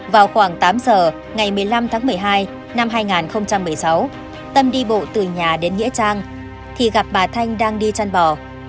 vào khoảng tám giờ ngày một mươi năm tháng một mươi hai năm hai nghìn một mươi sáu tâm đi bộ từ nhà đến nghĩa trang thì gặp bà thanh đang đi chăn bò